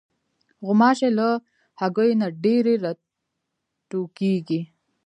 غوماشې له هګیو نه ډېرې راټوکېږي.